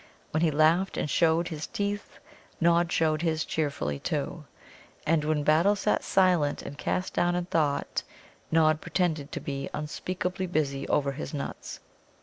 When he laughed and showed his teeth, Nod showed his cheerfully, too. And when Battle sat silent and cast down in thought, Nod pretended to be unspeakably busy over his nuts.